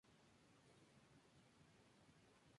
Además es conocido por su vida nocturna y sus playas.